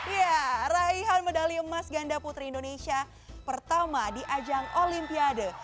ya raihan medali emas ganda putri indonesia pertama di ajang olimpiade